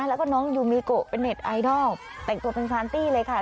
แล้วก็น้องเป็นเน็ตไอดอลต์แต่งตัวเป็นเลยค่ะ